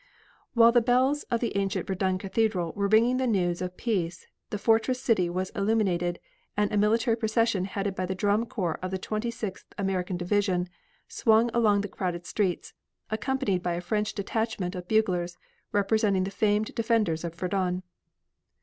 While the bells of the ancient Verdun Cathedral were ringing the news of peace the fortress city was illuminated and a military procession headed by the drum corps of the Twenty sixth American division swung along the crowded streets accompanied by a French detachment of buglers representing the famed defenders of Verdun.